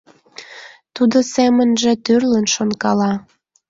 Тудо семынже тӱрлын шонкала.